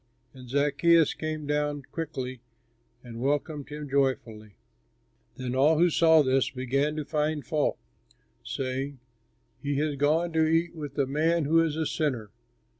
And Zaccheus came down quickly and welcomed him joyfully. Then all who saw this began to find fault, saying, "He has gone to eat with a man who is a sinner."